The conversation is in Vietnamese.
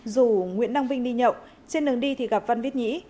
rủ nguyễn đăng vinh đi nhậu trên đường đi thì gặp văn viết nhĩ